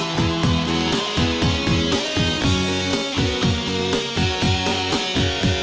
มีใครก็ดรอดทิ้ง